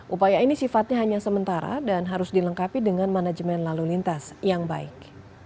upaya ini sifatnya hanya sementara dan harus dilengkapi dengan manajemen lalu lintas yang baik